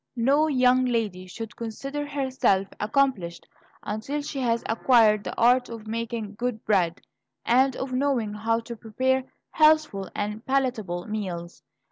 No young lady should consider herself accomplished until she has acquired the art of making good bread, and of knowing how to prepare healthful and palatable meals.